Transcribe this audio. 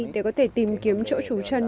để có thể tìm kiếm chỗ trú chân